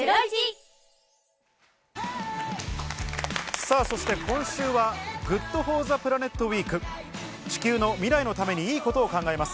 さぁ、そして今週はＧｏｏｄＦｏｒｔｈｅＰｌａｎｅｔウィーク、地球の未来のためにいいことを考えます。